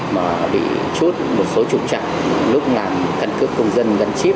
mà bị chút một số trụ trạng lúc làm thân cướp công dân dân chí